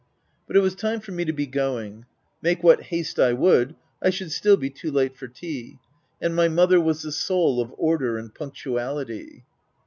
But it was time for me to be going : make what haste I would, I should still be too late for tea ; and my mother was the soul of order and punctuality.